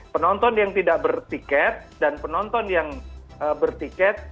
penonton yang tidak bertiket dan penonton yang bertiket